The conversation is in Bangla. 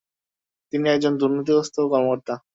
তিনি একজন দুর্নীতিগ্রস্ত কর্মকর্তা।